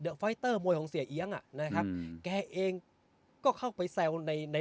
เดี๋ยวไฟเตอร์มวยของเสียเอี๊ยงอ่ะนะครับแกเองก็เข้าไปแซวในใน